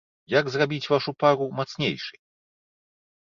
Як зрабіць вашу пару мацнейшай?